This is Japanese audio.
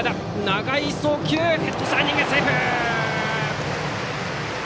長い送球ヘッドスライディング、セーフ！